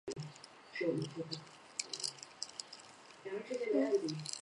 时任泛民饭盒会召集人梁家杰与多名民主派议员前往支援。